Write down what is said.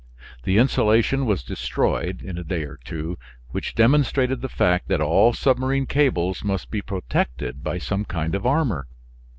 The insulation was destroyed in a day or two, which demonstrated the fact that all submarine cables must be protected by some kind of armor.